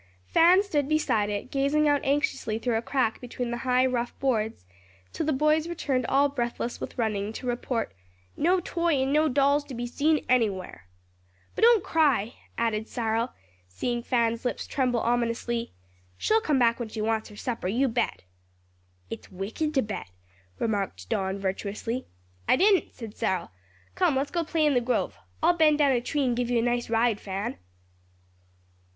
Fan stood beside it, gazing out anxiously through a crack between the high, rough boards till the boys returned all breathless with running, to report, "No Toy and no dolls to be seen anywhere." "But don't cry," added Cyril, seeing Fan's lips tremble ominously; "she'll come back when she wants her supper; you bet." "It's wicked to bet," remarked Don virtuously. "I didn't," said Cyril, "come let's go play in the grove. I'll bend down a tree and give you a nice ride, Fan."